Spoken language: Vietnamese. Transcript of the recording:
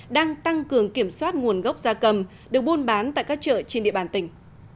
đang tăng cường kiểm soát nguồn gốc gia cầm được buôn bán tại các chợ trên địa bàn tỉnh